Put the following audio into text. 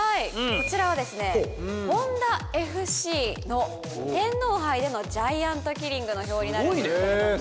こちらはですねホンダＦＣの天皇杯でのジャイアントキリングの表になるんですけれども。